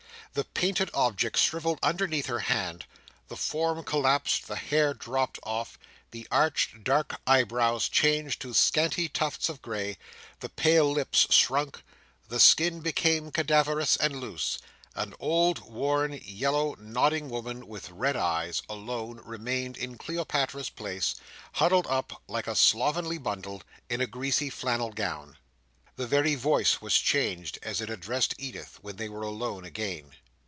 The painted object shrivelled underneath her hand; the form collapsed, the hair dropped off, the arched dark eyebrows changed to scanty tufts of grey; the pale lips shrunk, the skin became cadaverous and loose; an old, worn, yellow, nodding woman, with red eyes, alone remained in Cleopatra's place, huddled up, like a slovenly bundle, in a greasy flannel gown. The very voice was changed, as it addressed Edith, when they were alone again.